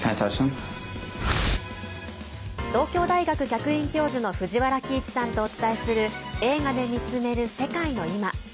東京大学客員教授の藤原帰一さんとお伝えする「映画で見つめる世界のいま」。